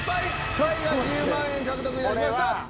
スパイが１０万円獲得いたしました。